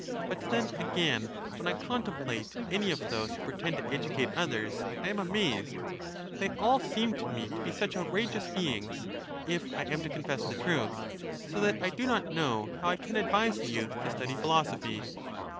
But then again, when I contemplate any of those who pretend to educate others, I am amazed. They all seem to me to be such outrageous beings, if I am to confess the truth: so that I do not know how I can advise the youth to study philosophy.